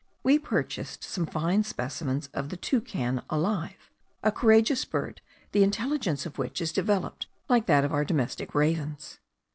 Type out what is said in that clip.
We purchased some fine specimens of the toucan alive; a courageous bird, the intelligence of which is developed like that of our domestic ravens.